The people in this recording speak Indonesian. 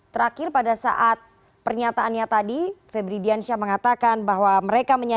terakhir pada saat pernyataannya tadi febri diansyah mengatakan bahwa mereka menyatakan